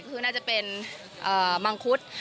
คือน่าจะเป็นมังคุด